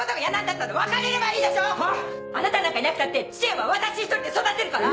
あなたなんかいなくたって知恵は私一人で育てるから！